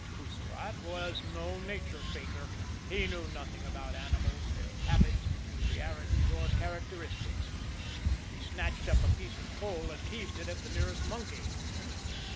Coussirat was no nature faker he knew nothing about animals, their habits, peculiarities, or characteristics. He snatched up a piece of coal, and heaved it at the nearest monkey.